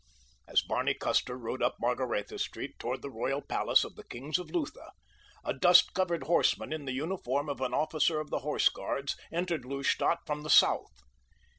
As Barney Custer rode up Margaretha Street toward the royal palace of the kings of Lutha, a dust covered horseman in the uniform of an officer of the Horse Guards entered Lustadt from the south.